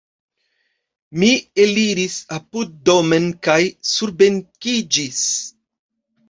Mi eliris apuddomen kaj surbenkiĝis.